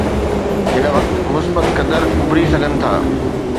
هن وقت مثبت قدر اڀري سگهن ٿا.